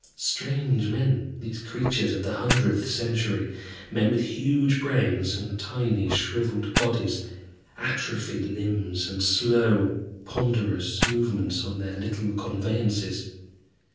Strange men, these creatures of the hundredth century, men with huge brains and tiny shriveled bodies, atrophied limbs, and slow, ponderous movements on their little conveyances.